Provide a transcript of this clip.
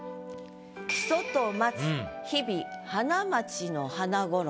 「ひそと待つ日々花街の花衣」。